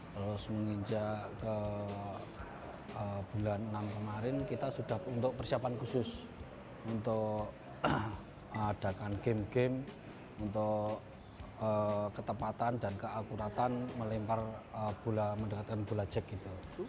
terus menginjak ke bulan enam kemarin kita sudah untuk persiapan khusus untuk adakan game game untuk ketepatan dan keakuratan melempar bola mendekatkan bola jack gitu